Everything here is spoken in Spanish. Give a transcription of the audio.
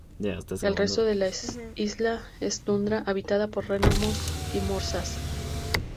El resto de la isla es tundra habitada por renos y morsas.